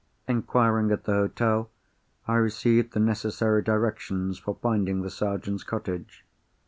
Inquiring at the hotel, I received the necessary directions for finding the Sergeant's cottage.